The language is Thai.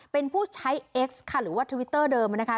เป็นผู้ใช้เอ็กซ์ค่ะหรือว่าทวิตเตอร์เดิมนะคะ